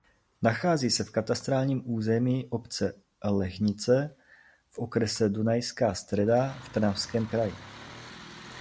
Nachází se v katastrálním území obce Lehnice v okrese Dunajská Streda v Trnavském kraji.